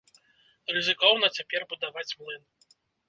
Рызыкоўна цяпер будаваць млын.